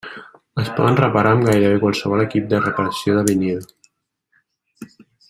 Es poden reparar amb gairebé qualsevol equip de reparació de vinil.